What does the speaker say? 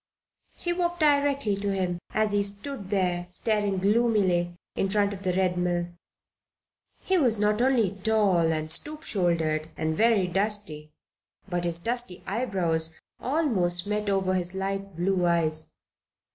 She walked directly to him, as he stood there, staring gloomily, in front of the Red Mill. He was not only tall and stoop shouldered, and very dusty; but his dusty eyebrows almost met over his light blue eyes.